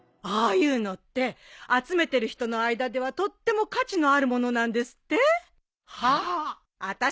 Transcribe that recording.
ああいうのって集めてる人の間ではとっても価値のある物なんですって？はあ？